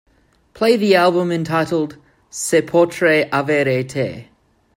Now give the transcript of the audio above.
Play the album entitled Se Potrei Avere Te.